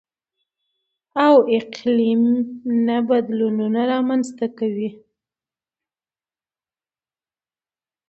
او اقلـيمي نه بـدلونـونه رامـنځتـه کوي.